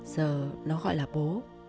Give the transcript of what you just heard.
giờ nó gọi là bố